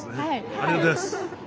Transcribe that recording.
ありがとうございます。